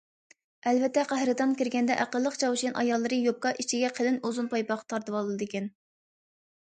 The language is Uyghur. ئەلۋەتتە، قەھرىتان كىرگەندە، ئەقىللىك چاۋشيەن ئاياللىرى يوپكا ئىچىگە قىلىن ئۇزۇن پايپاق تارتىۋالىدىكەن.